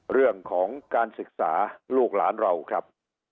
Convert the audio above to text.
เรื่องของการศึกษาลูกหลานเราครับ